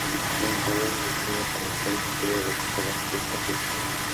Duncan había sido Director Ejecutivo de las Escuelas Públicas de Chicago.